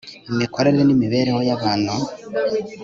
imikorere n'imibereho y'abantu